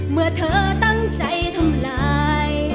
เมื่อเธอตั้งใจทำลาย